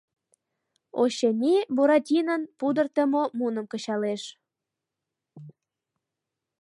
Очыни, Буратинон пудыртымо муным кычалеш.